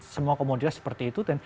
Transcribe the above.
semua komoditas seperti itu